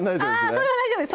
それは大丈夫です